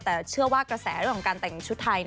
แต่เชื่อว่ากระแสเรื่องของการแต่งชุดไทย